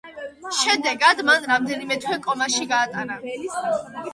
შედეგად, მან რამდენიმე თვე კომაში გაატარა.